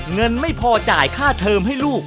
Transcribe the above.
เงินไม่พอจ่ายค่าเทอมให้ลูก